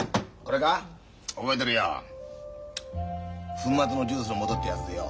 粉末のジュースのもとってやつでよ